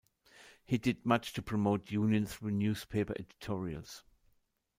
He did much to promote union through newspaper editorials.